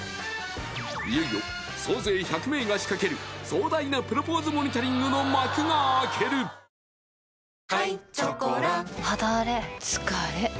いよいよ総勢１００名が仕掛ける壮大なプロポーズモニタリングの幕が開ける俺の名はＭｒ．ＮＥＶＥＲ。